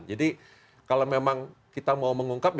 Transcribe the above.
jadi kalau memang kita mau mengungkap